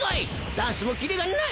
ダンスもキレがない！